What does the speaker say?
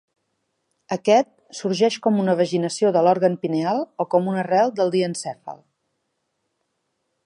Aquest sorgeix com una evaginació de l'òrgan pineal o com una arrel del diencèfal.